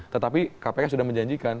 tetapi kpk sudah menjanjikan